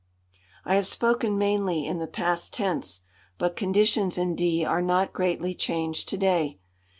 I have spoken mainly in the past tense, but conditions in D are not greatly changed to day.